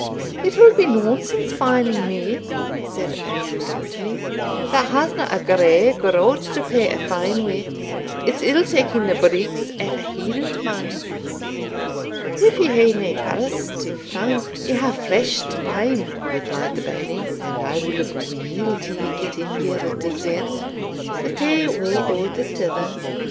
"It will be nonsense fining me," said Andrew, doughtily, "that hasna a grey groat to pay a fine wi' it's ill taking the breeks aff a Hielandman." "If ye hae nae purse to fine, ye hae flesh to pine," replied the Bailie, "and I will look weel to ye getting your deserts the tae way or the tither."